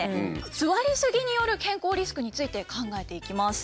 座りすぎによる健康リスクについて考えていきます。